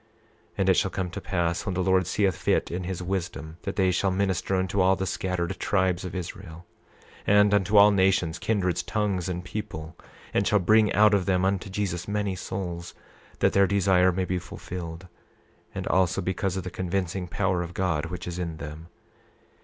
28:29 And it shall come to pass, when the Lord seeth fit in his wisdom that they shall minister unto all the scattered tribes of Israel, and unto all nations, kindreds, tongues and people, and shall bring out of them unto Jesus many souls, that their desire may be fulfilled, and also because of the convincing power of God which is in them.